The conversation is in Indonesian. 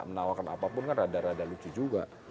menawarkan apapun kan rada rada lucu juga